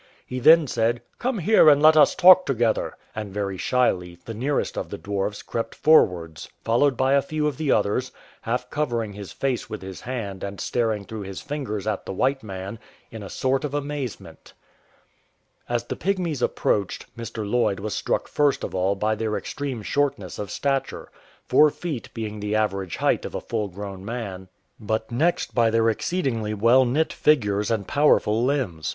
He then said, " Come here and let us talk together"; and, very shyly, the nearest of the dwarfs crept forwards, followed by a few of the others, half covering his face with his hand and staring through his fingers at the white man in a sort of amaze ment. As the Pygmies approached, Mr. Lloyd was struck first of all by their extreme shortness of stature, four feet being the average height of a full grown man, but next 178 A GOOD NATURED CHIEF by their exceedingly well knit figures and powerful limbs.